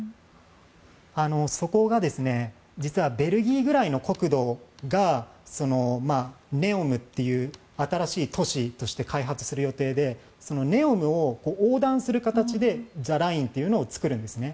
そこが実は、ベルギーぐらいの国土がＮＥＯＭという新しい都市として開発する予定でＮＥＯＭを横断する形でザ・ラインを作るんですね。